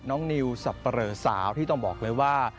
น้องนิวสับเปรอสาวที่ต้องบอกเลยว่า